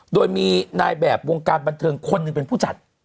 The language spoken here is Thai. โดยมีนายแบบวงการบันเทิงคนหนึ่งเป็นผู้จัด